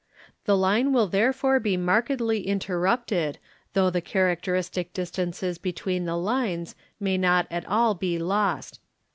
The therefore be markedly interrupted though the characteristic 944 THE EXPERT distances between the lines may not at all be lost.